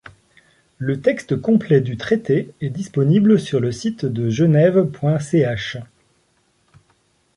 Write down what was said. Le texte complet du traité est disponible sur le site de Genève.ch.